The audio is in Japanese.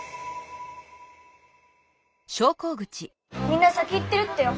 みんな先行ってるってよ。